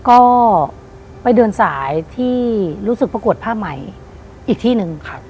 ก็ไปเดินสายที่รู้สึกประกวดผ้าใหม่อีกที่หนึ่ง